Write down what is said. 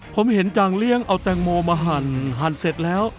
ผมเห็นจางเลี้ยงเอาแตงโมมาหั่นเสร็จแล้ว